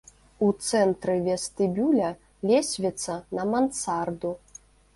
У цэнтры вестыбюля лесвіца на мансарду.